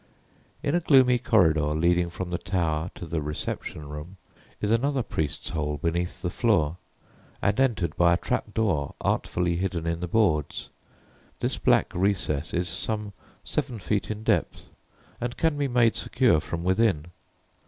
In a gloomy corridor leading from the tower to "the reception room" is another "priest's hole" beneath the floor, and entered by a trap door artfully hidden in the boards; this black recess is some seven feet in depth, and can be made secure from within.